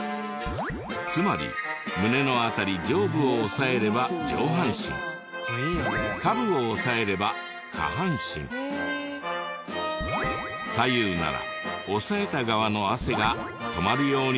つまり胸の辺り上部を押さえれば上半身下部を押さえれば下半身左右なら押さえた側の汗が止まるようになっています。